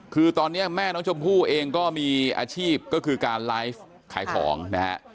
คือตอนนี้แม่น้องชมพู่เองก็มีอาชีพก็คือการไลฟ์ขายของนะฮะ